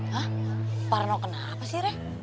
hah parno kenapa sih rek